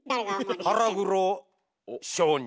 腹黒商人。